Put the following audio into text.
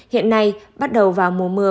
hiện nay bắt đầu vào mùa mưa